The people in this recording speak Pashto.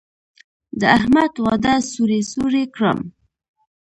د احمد واده سوري سوري کړم.